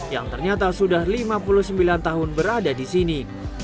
yang ternyata sudah lima puluh sembilan tahun berada di sini